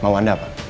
mau anda apa